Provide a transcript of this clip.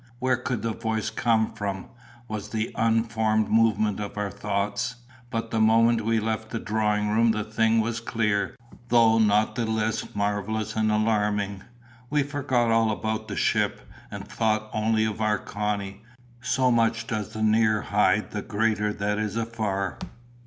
Where could the voice come from?" was the unformed movement of our thoughts. But the moment we left the drawing room the thing was clear, though not the less marvellous and alarming. We forgot all about the ship, and thought only of our Connie. So much does the near hide the greater that is afar!